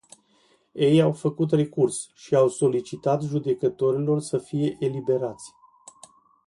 Ei au făcut recurs și au solicitat judecătorilor să fie eliberați.